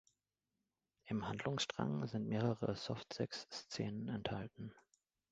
Im Handlungsstrang sind mehrere "Softsex"-Szenen enthalten.